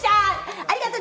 ありがとね！